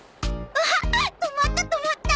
わあ止まった止まった！